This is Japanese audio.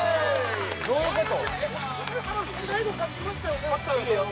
どういうこと？